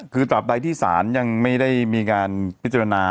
คือตราบใดที่ศาลยังไม่ได้มีการพิจารณา